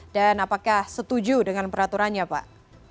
dan apakah setuju dengan peraturannya pak